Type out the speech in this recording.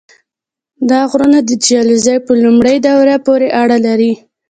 دا غرونه د جیولوژۍ په لومړۍ دورې پورې اړه لري.